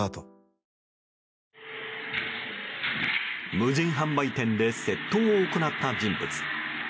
無人販売店で窃盗を行った人物。